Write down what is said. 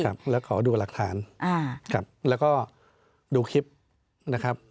ครับแล้วขอดูหลักฐานอ่าครับแล้วก็ดูคลิปนะครับ